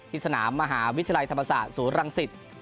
สนามมหาวิทยาลัยธรรมศาสตร์ศูนย์รังสิต